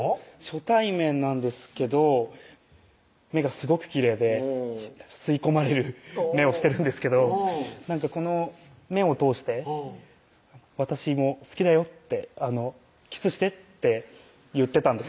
初対面なんですけど目がすごくきれいで吸い込まれる目をしてるんですけどこの目を通して「私も好きだよ」って「キスして」って言ってたんです